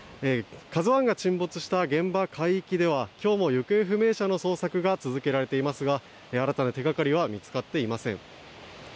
「ＫＡＺＵ１」が沈没した現場海域では今日も行方不明者の捜索が続けられていますが新たな手掛かりは見つかっていません。